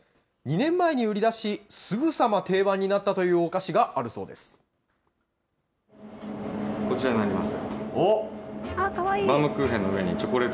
２年前に売り出し、すぐさま定番になったというお菓子があるそうこちらになります。